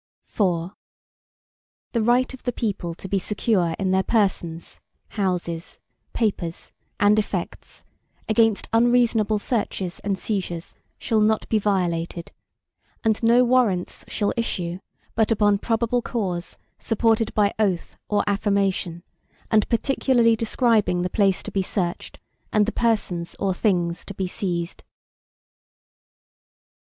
IV The right of the people to be secure in their persons, houses, papers, and effects, against unreasonable searches and seizures, shall not be violated, and no Warrants shall issue, but upon probable cause, supported by oath or affirmation, and particularly describing the place to be searched, and the persons or things to be seized.